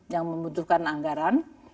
yang membutuhkan anggaran